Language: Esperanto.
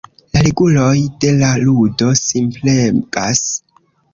La reguloj de la ludo simplegas.